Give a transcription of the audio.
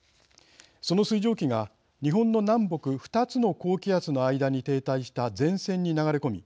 その水蒸気が日本の南北２つの高気圧の間に停滞した前線に流れ込み